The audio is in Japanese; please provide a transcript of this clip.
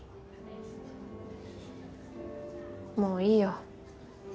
もういいよ。